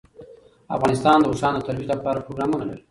افغانستان د اوښانو د ترویج لپاره پروګرامونه لري.